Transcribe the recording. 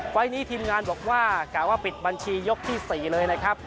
ไฟล์นี้ทีมงานบอกว่ากล่าวว่าปิดบัญชียกที่๔เลยนะครับ